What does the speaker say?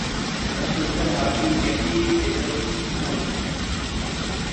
میں سوچتارہا کہ یہ کیسی کتب ہوں۔